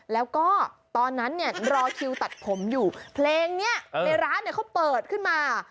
แล้วก็ตอนนั้นเนี่ยรอคิวตัดผมอยู่เพลงนี้ในร้านเนี่ยเขาเปิดขึ้นมา